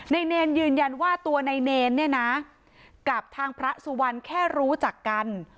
เนรยืนยันว่าตัวในเนรเนี่ยนะกับทางพระสุวรรณแค่รู้จักกัน